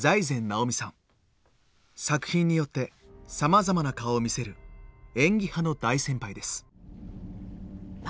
作品によってさまざまな顔を見せる演技派の大先輩です。